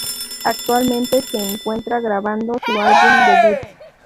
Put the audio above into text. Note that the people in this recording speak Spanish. Actualmente se encuentra grabando su álbum debut.